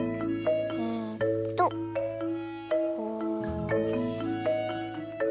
えっとこうして。